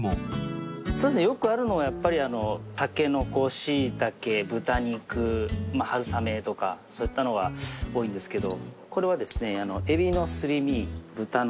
よくあるのはやっぱりタケノコシイタケ豚肉春雨とかそういったのが多いんですけどこれはですね。